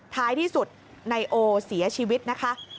ท้ายที่สุดนายโอเสียชีวิตนะคะ